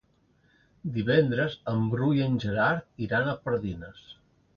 Divendres en Bru i en Gerard iran a Pardines.